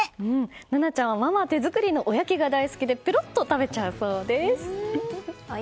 夏菜ちゃんはママ手作りのおやきが大好きでペロッと食べちゃうそうです。